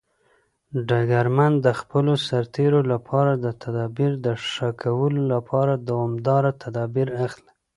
ډګرمن د خپلو سرتیرو لپاره د تدابیر د ښه کولو لپاره دوامداره تدابیر اخلي.